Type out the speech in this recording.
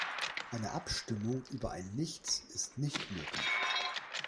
Eine Abstimmung über ein Nichts ist nicht möglich!